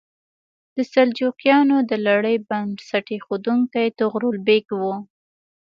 د سلجوقیانو د لړۍ بنسټ ایښودونکی طغرل بیګ و.